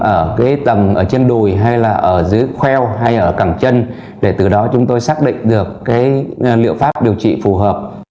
ở cái tầng trên đùi hay là ở dưới khoeo hay ở cảng chân để từ đó chúng tôi xác định được liệu pháp điều trị phù hợp